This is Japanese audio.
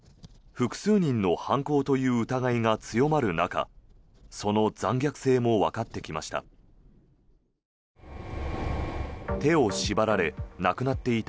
複数人の犯行という疑いが強まる中その残虐性もわかってきました。